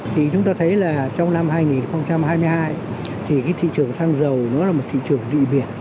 thì chúng ta thấy là trong năm hai nghìn hai mươi hai thì cái thị trường xăng dầu nó là một thị trường dị biệt